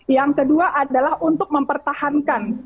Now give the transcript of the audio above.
yang kedua adalah untuk mempertahankan